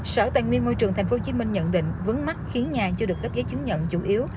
sở tài nguyên môi trường tp hcm nhận định vướng mắt khiến nhà chưa được cấp giấy chứng nhận chủ yếu